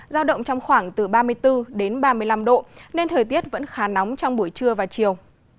giao động trong khoảng từ ba mươi bốn đến ba mươi năm độ nên thời tiết vẫn khá nóng trong buổi trưa và chiều